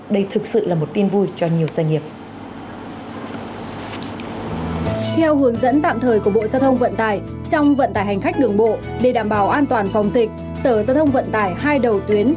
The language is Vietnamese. để đảm bảo an toàn phòng dịch sở gia thông vận tải hai đầu tuyến